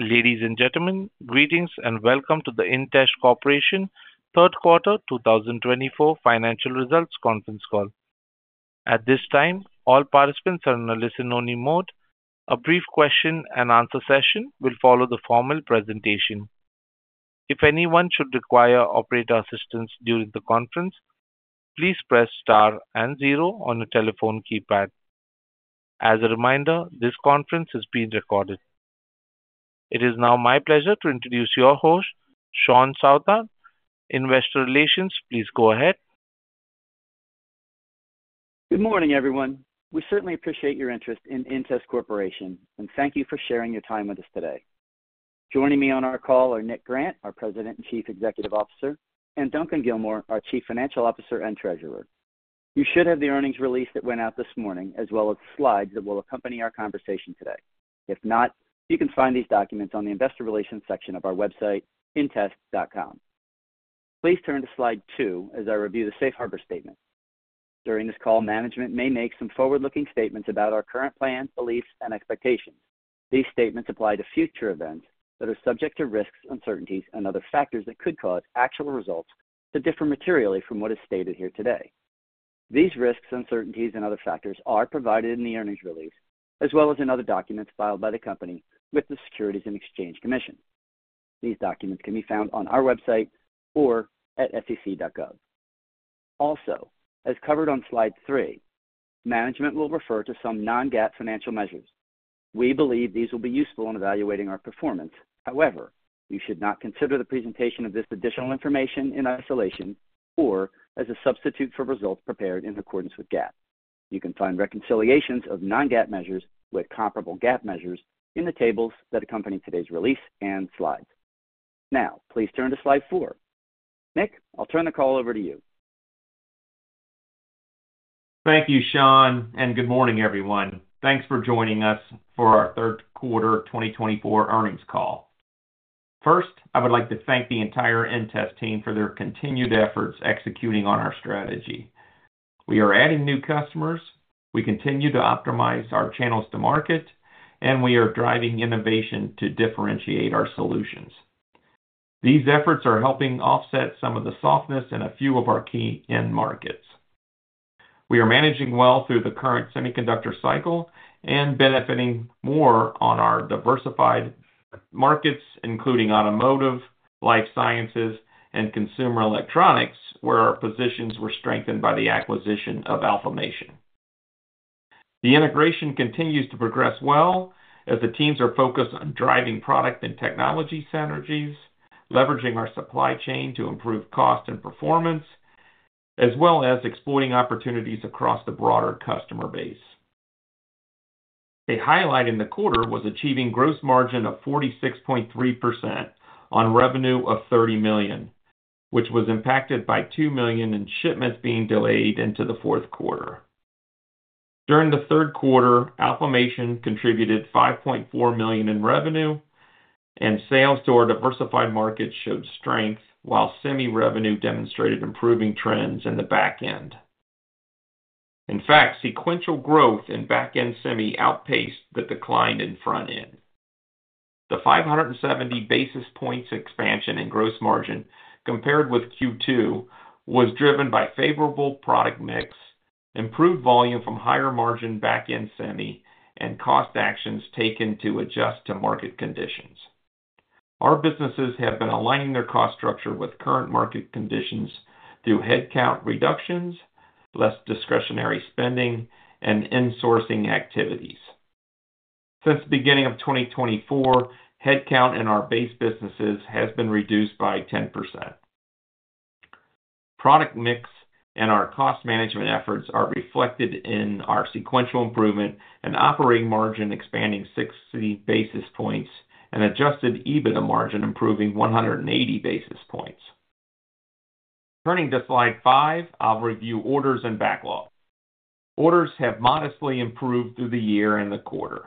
Ladies and gentlemen, greetings and welcome to the InTest Corporation Q3 2024 Financial Results Conference Call. At this time, all participants are in a listen-only mode. A brief question-and-answer session will follow the formal presentation. If anyone should require operator assistance during the conference, please press star and zero on your telephone keypad. As a reminder, this conference is being recorded. It is now my pleasure to introduce your host, Shawn Southard, Investor Relations. Please go ahead. Good morning, everyone. We certainly appreciate your interest in InTest Corporation, and thank you for sharing your time with us today. Joining me on our call are Nick Grant, our President and Chief Executive Officer, and Duncan Gilmour, our Chief Financial Officer and Treasurer. You should have the earnings release that went out this morning, as well as the slides that will accompany our conversation today. If not, you can find these documents on the Investor Relations section of our website, intest.com. Please turn to slide two as I review the Safe Harbor Statement. During this call, management may make some forward-looking statements about our current plans, beliefs, and expectations. These statements apply to future events that are subject to risks, uncertainties, and other factors that could cause actual results to differ materially from what is stated here today. These risks, uncertainties, and other factors are provided in the earnings release, as well as in other documents filed by the company with the Securities and Exchange Commission. These documents can be found on our website or at sec.gov. Also, as covered on slide three, management will refer to some non-GAAP financial measures. We believe these will be useful in evaluating our performance. However, you should not consider the presentation of this additional information in isolation or as a substitute for results prepared in accordance with GAAP. You can find reconciliations of non-GAAP measures with comparable GAAP measures in the tables that accompany today's release and slides. Now, please turn to slide four. Nick, I'll turn the call over to you. Thank you, Shawn, and good morning, everyone. Thanks for joining us for our Q3 2024 earnings call. First, I would like to thank the entire InTest team for their continued efforts executing on our strategy. We are adding new customers, we continue to optimize our channels to market, and we are driving innovation to differentiate our solutions. These efforts are helping offset some of the softness in a few of our key end markets. We are managing well through the current semiconductor cycle and benefiting more on our diversified markets, including automotive, life sciences, and consumer electronics, where our positions were strengthened by the acquisition of Alphamation. The integration continues to progress well as the teams are focused on driving product and technology synergies, leveraging our supply chain to improve cost and performance, as well as exploiting opportunities across the broader customer base. A highlight in the quarter was achieving gross margin of 46.3% on revenue of $30 million, which was impacted by $2 million in shipments being delayed into the Q4. During the Q3, Alphamation contributed $5.4 million in revenue, and sales to our diversified markets showed strength, while semi revenue demonstrated improving trends in the back end. In fact, sequential growth in back end semi outpaced the decline in front end. The 570 basis points expansion in gross margin compared with Q2 was driven by favorable product mix, improved volume from higher margin back end semi, and cost actions taken to adjust to market conditions. Our businesses have been aligning their cost structure with current market conditions through headcount reductions, less discretionary spending, and insourcing activities. Since the beginning of 2024, headcount in our base businesses has been reduced by 10%. Product mix and our cost management efforts are reflected in our sequential improvement and operating margin expanding 60 basis points and adjusted EBITDA margin improving 180 basis points. Turning to slide five, I'll review orders and backlog. Orders have modestly improved through the year and the quarter.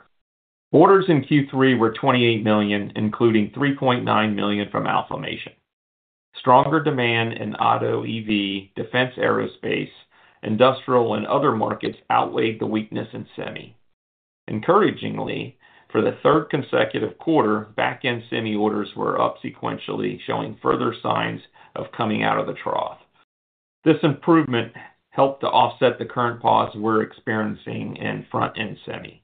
Orders in Q3 were $28 million, including $3.9 million from Alphamation. Stronger demand in auto, EV, defense aerospace, industrial, and other markets outweighed the weakness in semi. Encouragingly, for the third consecutive quarter, back end semi orders were up sequentially, showing further signs of coming out of the trough. This improvement helped to offset the current pause we're experiencing in front end semi.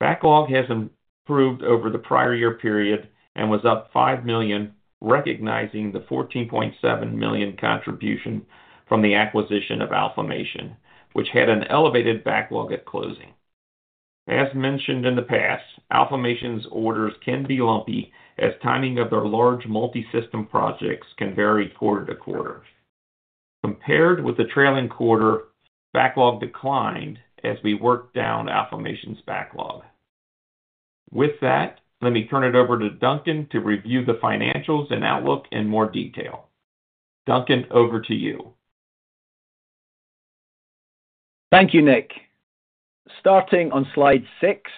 Backlog has improved over the prior year period and was up $5 million, recognizing the $14.7 million contribution from the acquisition of Alphamation, which had an elevated backlog at closing. As mentioned in the past, Alphamation's orders can be lumpy as timing of their large multi-system projects can vary quarter-to-quarter. Compared with the trailing quarter, backlog declined as we worked down Alphamation's backlog. With that, let me turn it over to Duncan to review the financials and outlook in more detail. Duncan, over to you. Thank you, Nick. Starting on slide six,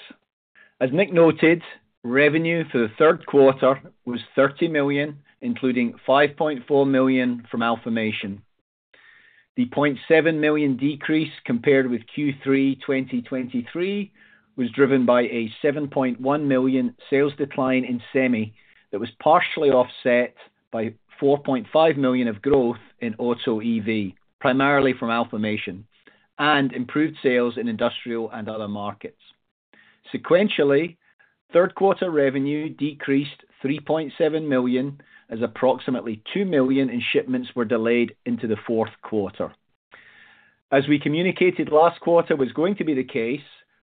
as Nick noted, revenue for the Q3 was $30 million, including $5.4 million from Alphamation. The $0.7 million decrease compared with Q3 2023 was driven by a $7.1 million sales decline in semi that was partially offset by $4.5 million of growth in auto, EV, primarily from Alphamation, and improved sales in industrial and other markets. Sequentially, Q3 revenue decreased $3.7 million as approximately two million in shipments were delayed into the Q4. As we communicated last quarter was going to be the case,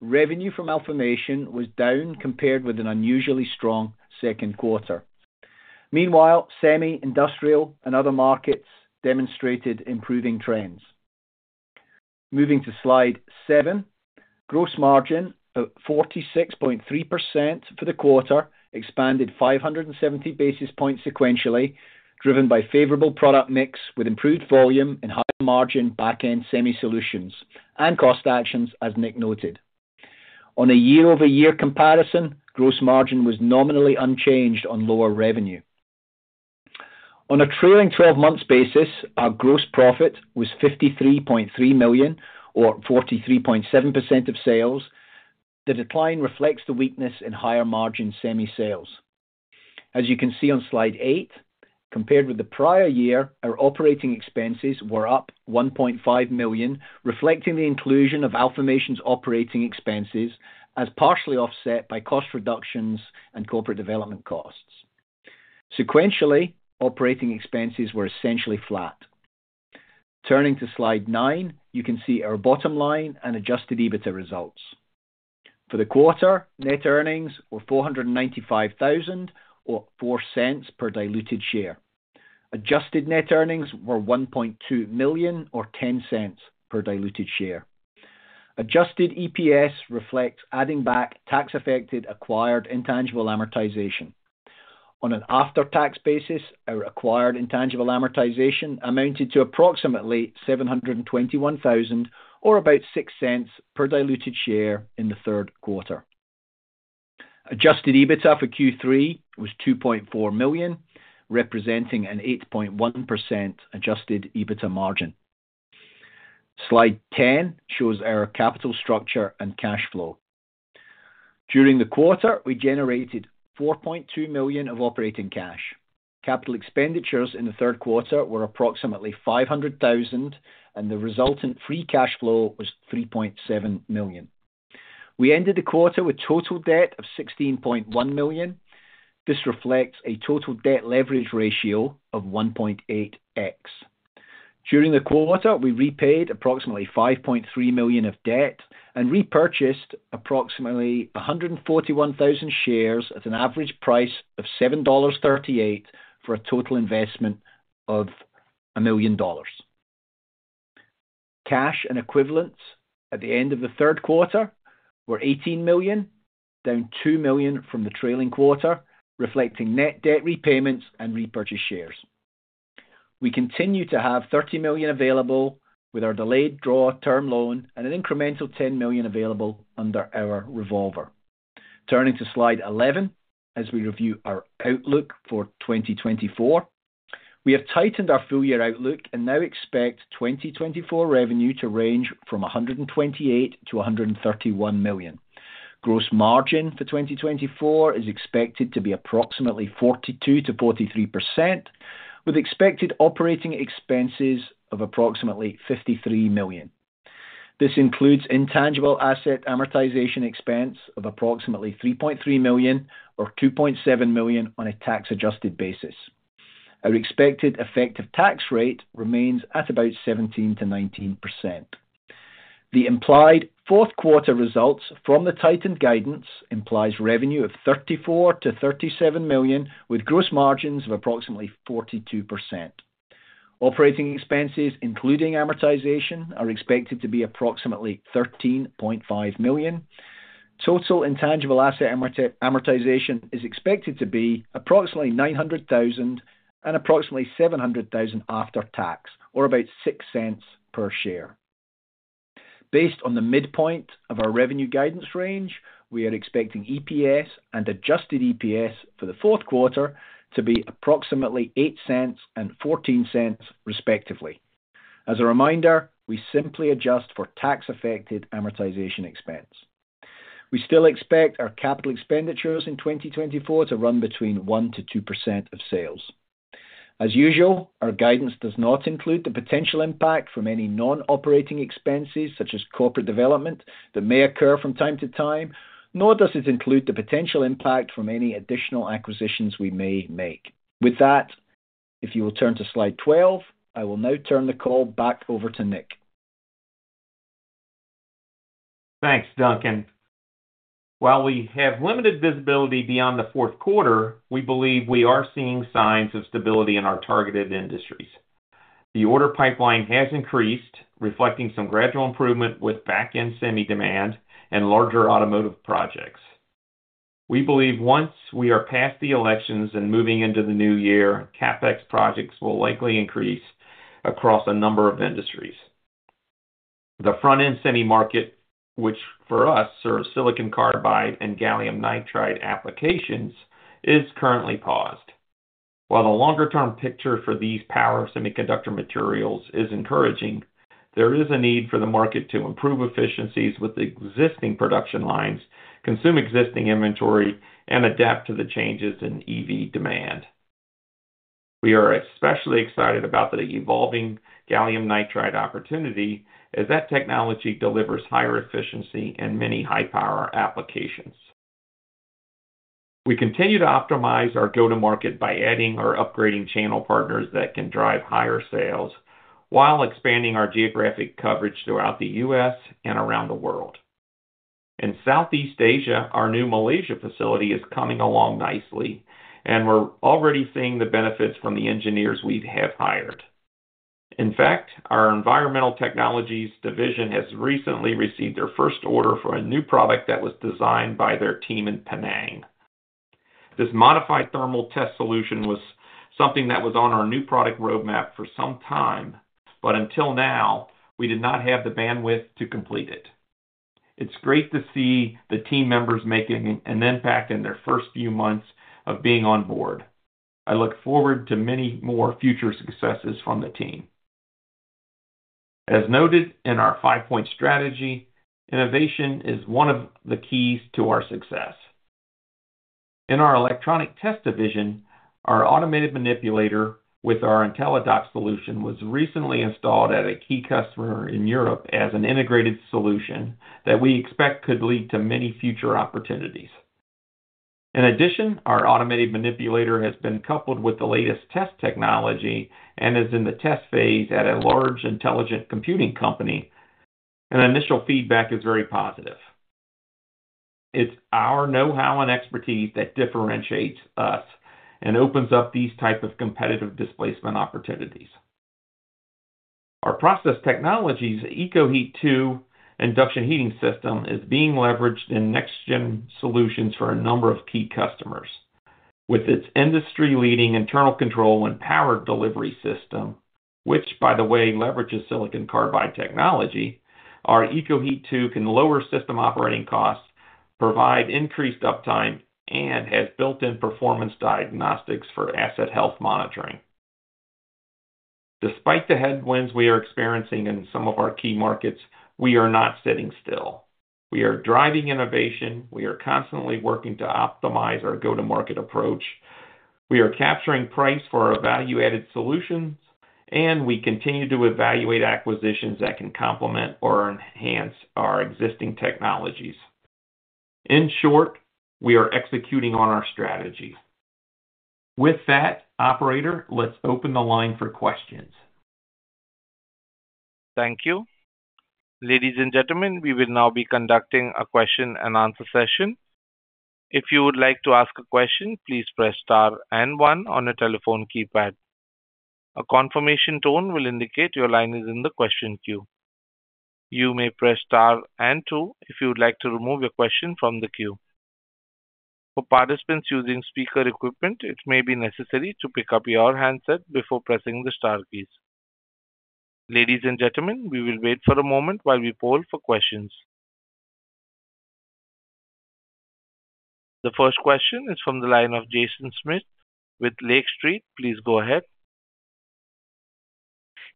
revenue from Alphamation was down compared with an unusually strong Q2. Meanwhile, semi, industrial, and other markets demonstrated improving trends. Moving to slide seven, gross margin of 46.3% for the quarter expanded 570 basis points sequentially, driven by favorable product mix with improved volume and high margin back end semi solutions and cost actions, as Nick noted. On a year-over-year comparison, gross margin was nominally unchanged on lower revenue. On a trailing 12-month basis, our gross profit was $53.3 million, or 43.7% of sales. The decline reflects the weakness in higher margin semi sales. As you can see on slide eight, compared with the prior year, our operating expenses were up $1.5 million, reflecting the inclusion of Alphamation's operating expenses as partially offset by cost reductions and corporate development costs. Sequentially, operating expenses were essentially flat. Turning to slide nine, you can see our bottom line and adjusted EBITDA results. For the quarter, net earnings were $495,000 or $0.04 per diluted share. Adjusted net earnings were $1.2 million or $0.10 per diluted share. Adjusted EPS reflects adding back tax-affected acquired intangible amortization. On an after-tax basis, our acquired intangible amortization amounted to approximately $721,000 or about $0.06 per diluted share in the Q3. Adjusted EBITDA for Q3 was $2.4 million, representing an 8.1% adjusted EBITDA margin. Slide 10 shows our capital structure and cash flow. During the quarter, we generated $4.2 million of operating cash. Capital expenditures in the Q3 were approximately $500,000, and the resultant free cash flow was $3.7 million. We ended the quarter with total debt of $16.1 million. This reflects a total debt leverage ratio of 1.8x. During the quarter, we repaid approximately $5.3 million of debt and repurchased approximately 141,000 shares at an average price of $7.38 for a total investment of $1 million. Cash and equivalents at the end of the Q3 were $18 million, down $2 million from the trailing quarter, reflecting net debt repayments and repurchase shares. We continue to have $30 million available with our delayed draw term loan and an incremental $10 million available under our revolver. Turning to slide 11, as we review our outlook for 2024, we have tightened our full year outlook and now expect 2024 revenue to range from $128 million - $131 million. Gross margin for 2024 is expected to be approximately 42%-43%, with expected operating expenses of approximately $53 million. This includes intangible asset amortization expense of approximately $3.3 million or $2.7 million on a tax-adjusted basis. Our expected effective tax rate remains at about 17%-19%. The implied Q4 results from the tightened guidance imply revenue of $34-$37 million, with gross margins of approximately 42%. Operating expenses, including amortization, are expected to be approximately $13.5 million. Total intangible asset amortization is expected to be approximately $900,000 and approximately $700,000 after tax, or about $0.06 per share. Based on the midpoint of our revenue guidance range, we are expecting EPS and adjusted EPS for the Q4 to be approximately $0.08 and $0.14, respectively. As a reminder, we simply adjust for tax-affected amortization expense. We still expect our capital expenditures in 2024 to run between 1%-2% of sales. As usual, our guidance does not include the potential impact from any non-operating expenses, such as corporate development, that may occur from time to time, nor does it include the potential impact from any additional acquisitions we may make. With that, if you will turn to slide 12, I will now turn the call back over to Nick. Thanks, Duncan. While we have limited visibility beyond the Q4, we believe we are seeing signs of stability in our targeted industries. The order pipeline has increased, reflecting some gradual improvement with back end semi demand and larger automotive projects. We believe once we are past the elections and moving into the new year, CapEx projects will likely increase across a number of industries. The front end semi market, which for us serves silicon carbide and gallium nitride applications, is currently paused. While the longer-term picture for these power semiconductor materials is encouraging, there is a need for the market to improve efficiencies with existing production lines, consume existing inventory, and adapt to the changes in EV demand. We are especially excited about the evolving gallium nitride opportunity as that technology delivers higher efficiency and many high-power applications. We continue to optimize our go-to-market by adding or upgrading channel partners that can drive higher sales while expanding our geographic coverage throughout the U.S. and around the world. In Southeast Asia, our new Malaysia facility is coming along nicely, and we're already seeing the benefits from the engineers we have hired. In fact, our environmental technologies division has recently received their first order for a new product that was designed by their team in Penang. This modified thermal test solution was something that was on our new product roadmap for some time, but until now, we did not have the bandwidth to complete it. It's great to see the team members making an impact in their first few months of being on board. I look forward to many more future successes from the team. As noted in our five-point strategy, innovation is one of the keys to our success. In our electronic test division, our automated manipulator with our IntelliDOCK solution was recently installed at a key customer in Europe as an integrated solution that we expect could lead to many future opportunities. In addition, our automated manipulator has been coupled with the latest test technology and is in the test phase at a large intelligent computing company. Initial feedback is very positive. It's our know-how and expertise that differentiates us and opens up these types of competitive displacement opportunities. Our process technologies, EKOHEAT 2 induction heating system, is being leveraged in next-gen solutions for a number of key customers. With its industry-leading internal control and power delivery system, which, by the way, leverages silicon carbide technology, our EKOHEAT 2can lower system operating costs, provide increased uptime, and has built-in performance diagnostics for asset health monitoring. Despite the headwinds we are experiencing in some of our key markets, we are not sitting still. We are driving innovation. We are constantly working to optimize our go-to-market approach. We are capturing price for our value-added solutions, and we continue to evaluate acquisitions that can complement or enhance our existing technologies. In short, we are executing on our strategy. With that, operator, let's open the line for questions. Thank you. Ladies and gentlemen, we will now be conducting a question and answer session. If you would like to ask a question, please press star and one on a telephone keypad. A confirmation tone will indicate your line is in the question queue. You may press star and two if you would like to remove your question from the queue. For participants using speaker equipment, it may be necessary to pick up your handset before pressing the star keys. Ladies and gentlemen, we will wait for a moment while we poll for questions. The first question is from the line of Jason Smith with Lake Street. Please go ahead.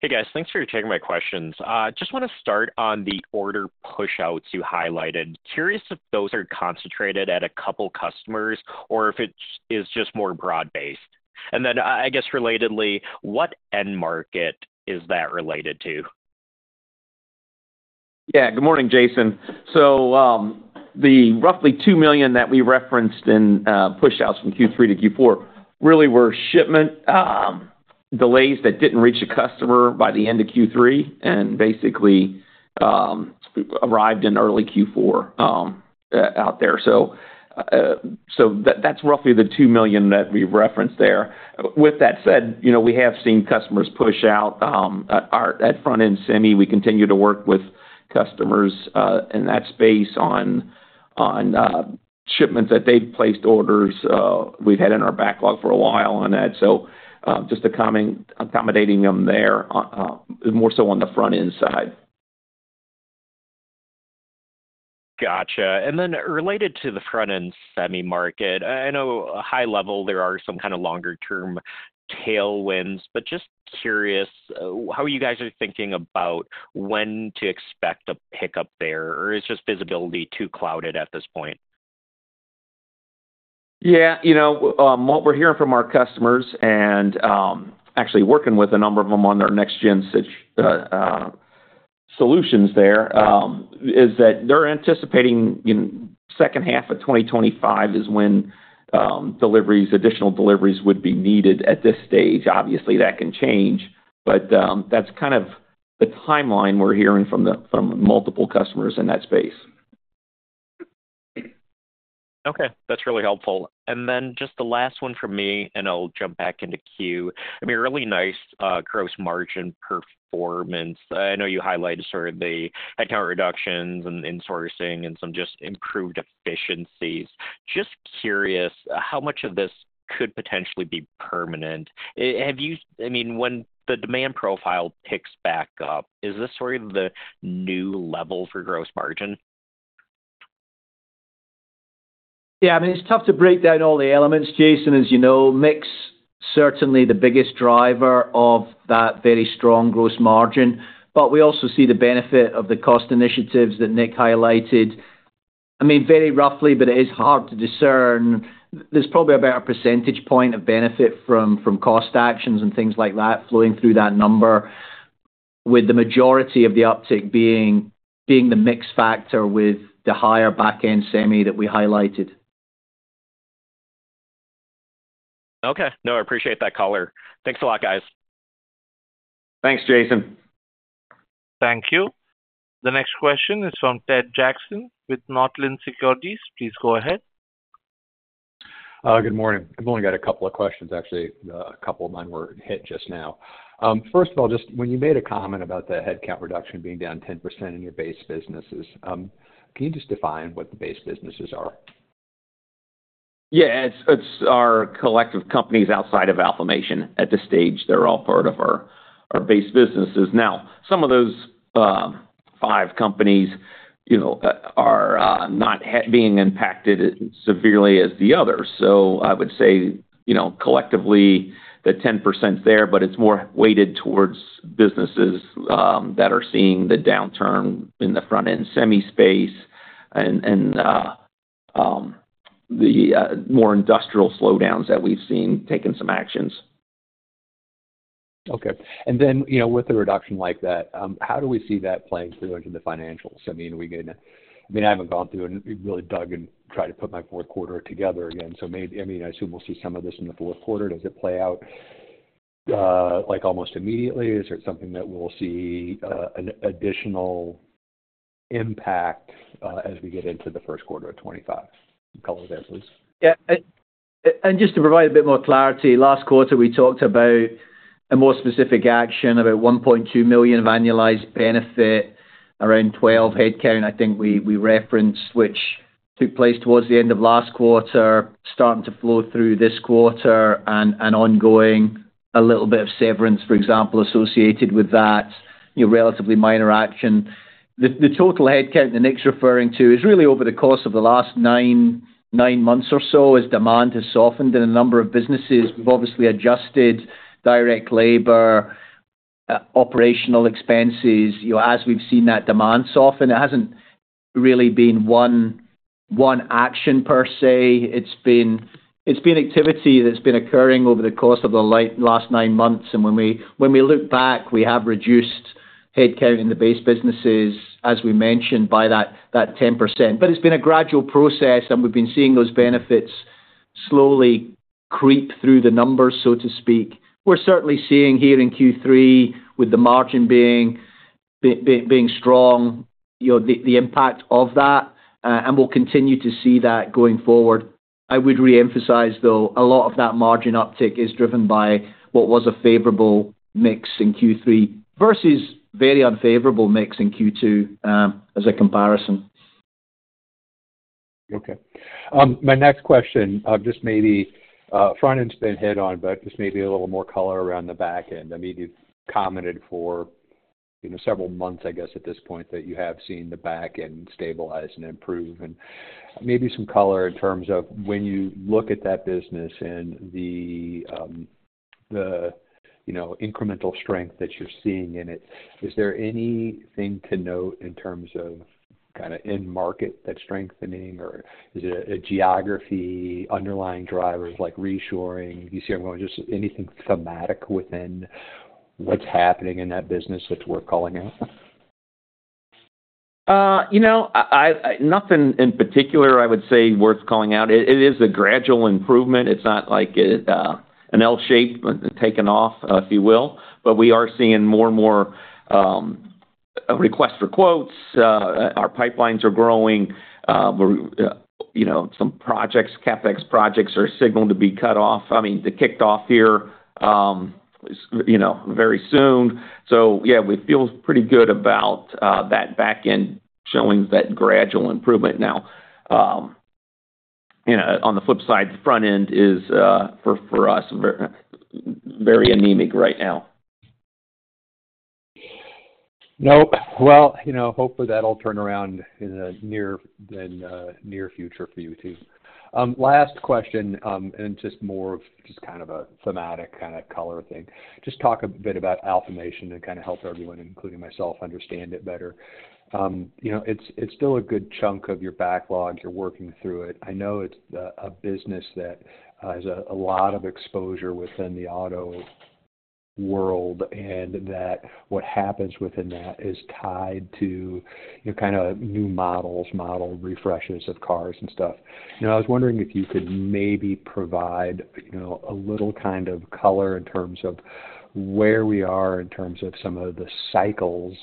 Hey, guys. Thanks for taking my questions. I just want to start on the order push-outs you highlighted. Curious if those are concentrated at a couple of customers or if it is just more broad-based. And then, I guess relatedly, what end market is that related to? Yeah. Good morning, Jason. So the roughly $2 million that we referenced in push-outs from Q3 to Q4 really were shipment delays that didn't reach a customer by the end of Q3 and basically arrived in early Q4 out there. So that's roughly the $2 million that we referenced there. With that said, we have seen customers push out. At front end semi, we continue to work with customers in that space on shipments that they've placed orders. We've had in our backlog for a while on that. So just accommodating them there more so on the front end side. Gotcha. And then related to the front-end semi market, I know high-level there are some kind of longer-term tailwinds, but just curious how you guys are thinking about when to expect a pickup there, or is just visibility too clouded at this point? Yeah. What we're hearing from our customers and actually working with a number of them on their next-gen solutions there is that they're anticipating second half of 2025 is when additional deliveries would be needed at this stage. Obviously, that can change, but that's kind of the timeline we're hearing from multiple customers in that space. Okay. That's really helpful. And then just the last one for me, and I'll jump back into queue. I mean, really nice gross margin performance. I know you highlighted sort of the headcount reductions and insourcing and some just improved efficiencies. Just curious how much of this could potentially be permanent. I mean, when the demand profile picks back up, is this sort of the new level for gross margin? Yeah. I mean, it's tough to break down all the elements. Jason, as you know, mix is certainly the biggest driver of that very strong gross margin, but we also see the benefit of the cost initiatives that Nick highlighted. I mean, very roughly, but it is hard to discern. There's probably about a percentage point of benefit from cost actions and things like that flowing through that number, with the majority of the uptick being the mix factor with the higher back end semi that we highlighted. Okay. No, I appreciate that color. Thanks a lot, guys. Thanks, Jason. Thank you. The next question is from Ted Jackson with Northland Securities. Please go ahead. Good morning. I've only got a couple of questions, actually. A couple of mine were hit just now. First of all, just when you made a comment about the headcount reduction being down 10% in your base businesses, can you just define what the base businesses are? Yeah. It's our collective companies outside of Alphamation. At this stage, they're all part of our base businesses. Now, some of those five companies are not being impacted as severely as the others. So I would say collectively, the 10% is there, but it's more weighted towards businesses that are seeing the downturn in the front end semi space and the more industrial slowdowns that we've seen taking some actions. Okay, and then with a reduction like that, how do we see that playing through into the financials? I mean, I haven't gone through and really dug and tried to put my Q4 together again, so I mean, I assume we'll see some of this in the Q4. Does it play out almost immediately? Is it something that we'll see an additional impact as we get into the Q1 of 2025? Color there, please. Yeah, and just to provide a bit more clarity, last quarter we talked about a more specific action, about $1.2 million of annualized benefit, around 12 headcount I think we referenced, which took place towards the end of last quarter, starting to flow through this quarter and ongoing a little bit of severance, for example, associated with that relatively minor action. The total headcount that Nick's referring to is really over the course of the last nine months or so as demand has softened in a number of businesses. We've obviously adjusted direct labor, operational expenses. As we've seen that demand soften, it hasn't really been one action per se. It's been activity that's been occurring over the course of the last nine months. When we look back, we have reduced headcount in the base businesses, as we mentioned, by that 10%. But it's been a gradual process, and we've been seeing those benefits slowly creep through the numbers, so to speak. We're certainly seeing here in Q3, with the margin being strong, the impact of that, and we'll continue to see that going forward. I would re-emphasize, though, a lot of that margin uptick is driven by what was a favorable mix in Q3 versus very unfavorable mix in Q2 as a comparison. Okay. My next question, just maybe front end's been hit on, but just maybe a little more color around the back end. I mean, you've commented for several months, I guess, at this point, that you have seen the back end stabilize and improve. And maybe some color in terms of when you look at that business and the incremental strength that you're seeing in it. Is there anything to note in terms of kind of end market that's strengthening, or is it a geography, underlying drivers like reshoring? You see what I'm going? Just anything thematic within what's happening in that business that's worth calling out? Nothing in particular I would say worth calling out. It is a gradual improvement. It's not like an L-shape taken off, if you will. But we are seeing more and more requests for quotes. Our pipelines are growing. Some projects, CapEx projects, are signaled to kick off. I mean, they're kicked off here very soon. So yeah, we feel pretty good about that back end showing that gradual improvement. Now, on the flip side, front end is, for us, very anemic right now. Nope. Well, hopefully, that'll turn around in the near future for you too. Last question, and just more of just kind of a thematic kind of color thing. Just talk a bit about Alphamation and kind of help everyone, including myself, understand it better. It's still a good chunk of your backlog. You're working through it. I know it's a business that has a lot of exposure within the auto world, and that what happens within that is tied to kind of new models, model refreshes of cars and stuff. I was wondering if you could maybe provide a little kind of color in terms of where we are in terms of some of the cycles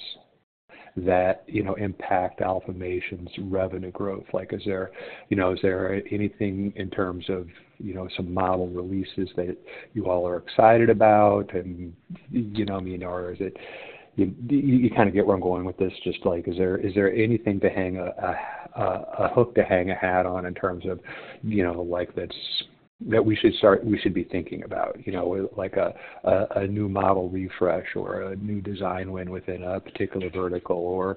that impact Alphamation's revenue growth. Is there anything in terms of some model releases that you all are excited about? I mean, or is it you kind of get where I'm going with this? Just, is there anything to hang a hook to hang a hat on in terms of that we should be thinking about, like a new model refresh or a new design win within a particular vertical? Or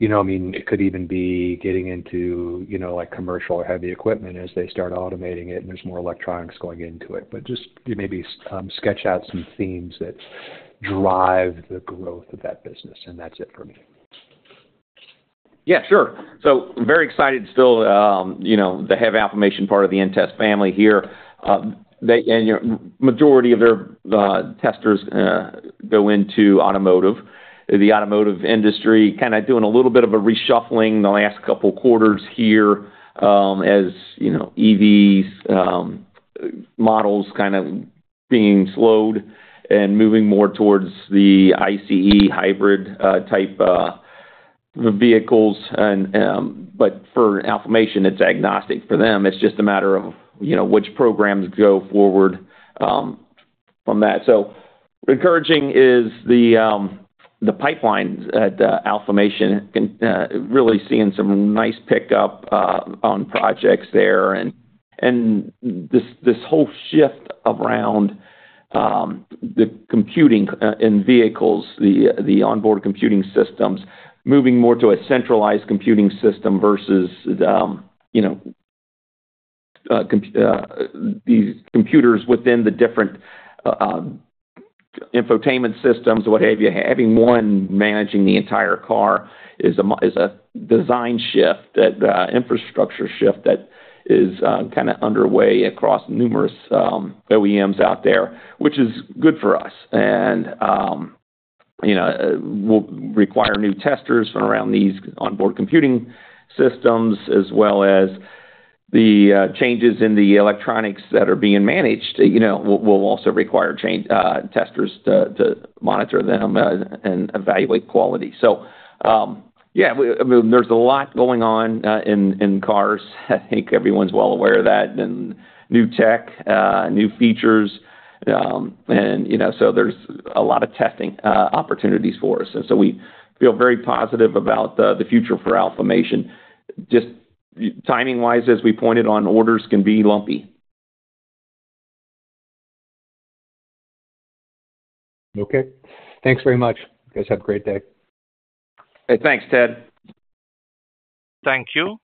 I mean, it could even be getting into commercial heavy equipment as they start automating it and there's more electronics going into it. But just maybe sketch out some themes that drive the growth of that business. And that's it for me. Yeah. Sure. So I'm very excited still to have Alphamation part of the InTest family here. And the majority of their testers go into automotive. The automotive industry kind of doing a little bit of a reshuffling the last couple of quarters here as EVs, models kind of being slowed and moving more towards the ICE hybrid type vehicles. But for Alphamation, it's agnostic. For them, it's just a matter of which programs go forward from that. So encouraging is the pipelines at Alphamation. Really seeing some nice pickup on projects there. And this whole shift around the computing in vehicles, the onboard computing systems, moving more to a centralized computing system versus these computers within the different infotainment systems, what have you. Having one managing the entire car is a design shift, an infrastructure shift that is kind of underway across numerous OEMs out there, which is good for us, and we'll require new testers from around these onboard computing systems, as well as the changes in the electronics that are being managed. We'll also require testers to monitor them and evaluate quality, so yeah, there's a lot going on in cars. I think everyone's well aware of that, and new tech, new features, and so there's a lot of testing opportunities for us, and so we feel very positive about the future for Alphamation. Just timing-wise, as we pointed on, orders can be lumpy. Okay. Thanks very much. You guys have a great day. Thanks, Ted. Thank you.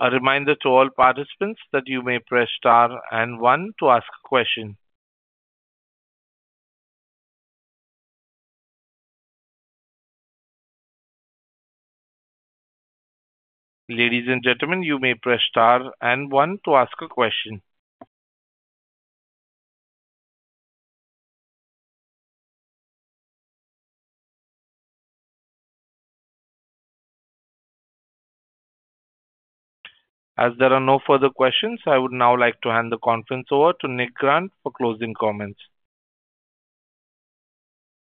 A reminder to all participants that you may press star and one to ask a question. Ladies and gentlemen, you may press star and one to ask a question. As there are no further questions, I would now like to hand the conference over to Nick Grant for closing comments.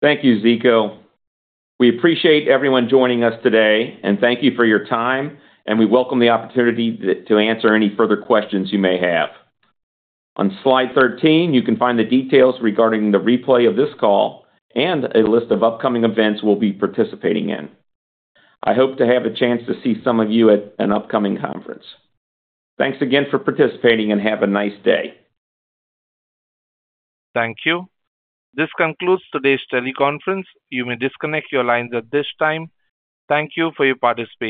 Thank you, Zeko. We appreciate everyone joining us today, and thank you for your time. And we welcome the opportunity to answer any further questions you may have. On slide 13, you can find the details regarding the replay of this call and a list of upcoming events we'll be participating in. I hope to have a chance to see some of you at an upcoming conference. Thanks again for participating and have a nice day. Thank you. This concludes today's teleconference. You may disconnect your lines at this time. Thank you for your participation.